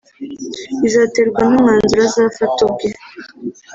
Bizaterwa n’umwanzuro azafata ubwe